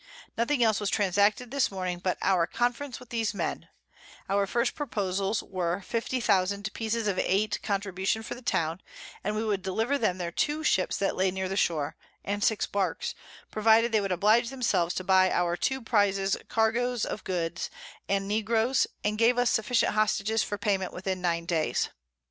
Nothing else was transacted this Morning, but our Conference with these Men: Our first Proposals were 50000 Pieces of Eight Contribution for the Town, and we would deliver them their 2 new Ships that lay near the Shore, and 6 Barks, provided they would oblige themselves to buy our two Prizes Cargoes of Goods and Negroes, and gave us sufficient Hostages for Payment within 9 Days.